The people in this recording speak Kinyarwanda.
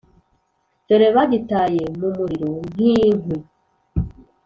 Dore bagitaye mu muriro nk’inkwi